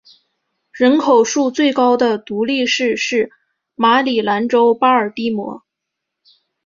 人口数最高的独立市是马里兰州巴尔的摩。